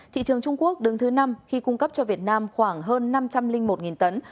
thị trường trung quốc đứng thứ năm khi cung cấp cho việt nam khoảng hơn năm trăm linh một tấn